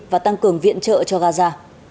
và tăng cường viện trợ cho gaza